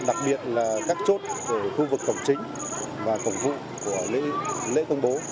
đặc biệt là các chốt của khu vực cổng chính và cổng vụ của lễ công bố